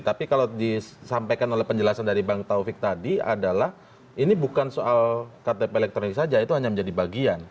tapi kalau disampaikan oleh penjelasan dari bang taufik tadi adalah ini bukan soal ktp elektronik saja itu hanya menjadi bagian